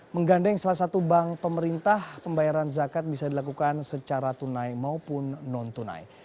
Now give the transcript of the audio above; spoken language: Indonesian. menggandeng salah satu bank pemerintah pembayaran zakat bisa dilakukan secara tunai maupun non tunai